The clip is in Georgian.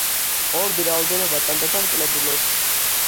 ორბი რაოდენობა თანდათან კლებულობს.